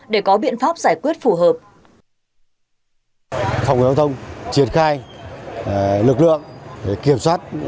để có biện pháp giải quyết phù hợp